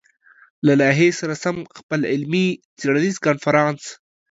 له لايحې سره سم خپل علمي-څېړنيز کنفرانس